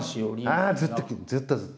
あー、ずっとずっと。